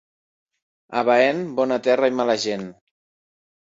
A Baén, bona terra i mala gent.